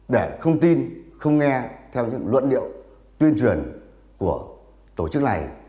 để không tin không nghe theo những luận điệu tuyên truyền của tổ chức này